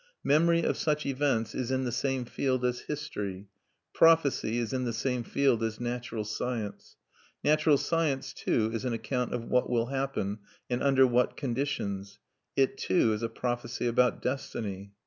Memory of such events is in the same field as history; prophecy is in the same field as natural science. Natural science too is an account of what will happen, and under what conditions. It too is a prophecy about destiny.